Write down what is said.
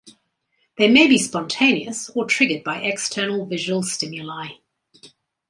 They may be spontaneous or triggered by external visual stimuli.